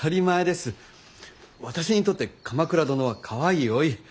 私にとって鎌倉殿はかわいい甥。